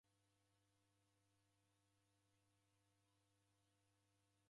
Fuw'e nyingi ra mighondinyi rakaia kilembenyi.